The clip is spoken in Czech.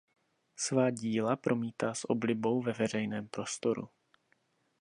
Svá díla promítá s oblibou ve veřejném prostoru.